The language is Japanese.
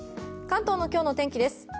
関東の今日の天気です。